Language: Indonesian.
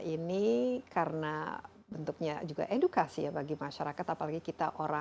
ini karena bentuknya juga edukasi ya bagi masyarakat apalagi kita orang